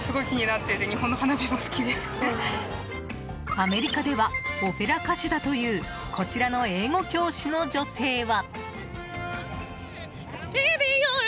アメリカではオペラ歌手だというこちらの英語教師の女性は。